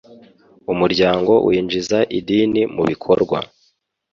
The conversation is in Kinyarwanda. umuryango winjiza idini mu bikorwa